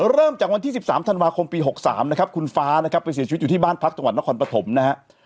เริ่มจากวันที่๑๓ธันวาคมปี๖๓นะครับคุณฟ้านะครับไปเสียชีวิตอยู่ที่บ้านพักจังหวัดนครปฐมนะฮะ